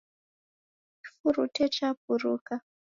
Kifurute chapuruka